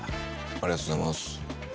ありがとうございます。